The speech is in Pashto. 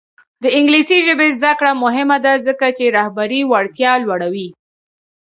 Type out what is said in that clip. د انګلیسي ژبې زده کړه مهمه ده ځکه چې رهبري وړتیا لوړوي.